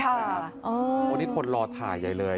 เพราะนี้คนรอถ่ายใหญ่เลย